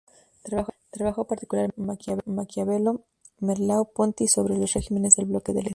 Trabajó particularmente sobre Maquiavelo, Merleau-Ponty y sobre los regímenes del bloque del Este.